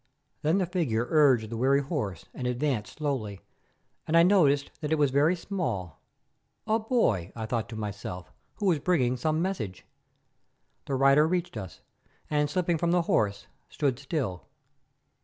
Then the figure urged the weary horse and advanced slowly, and I noticed that it was very small. "A boy," I thought to myself, "who is bringing some message." The rider reached us, and slipping from the horse, stood still.